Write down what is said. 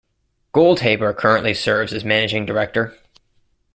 Goldhaber currently serves as Managing Director.